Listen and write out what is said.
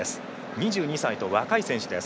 ２２歳と若い選手です。